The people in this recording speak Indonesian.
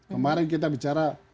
kemarin kita bicara